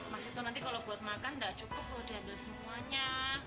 mas itu nanti kalau buat makan nggak cukup loh diambil semuanya